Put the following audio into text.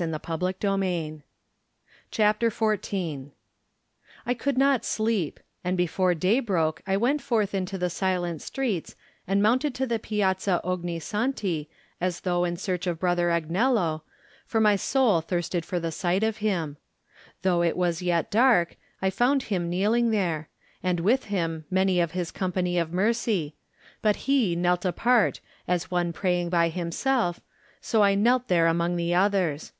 Digitized by Google CHAPTER XrV I COULD not sleep, and before day broke I went forth into the silent streets and mounted to the Piazza Ogni Santi as though in search of Brother Agnello, for my soul thirsted for the sight of him. Though it was yet dark, I found him kneeling there, and with him many of his company of mercy, but he knelt apart as one praying by himself, so I knelt there among the others.